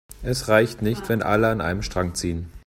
Es reicht nicht, wenn alle an einem Strang ziehen.